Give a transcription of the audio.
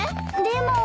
でも。